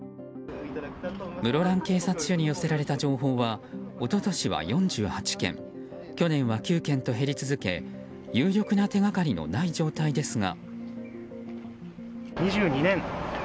室蘭警察署に寄せられた情報は一昨年は４８件去年は９件と減り続け有力な手がかりのない状態ですが。